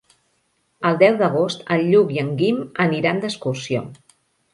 El deu d'agost en Lluc i en Guim aniran d'excursió.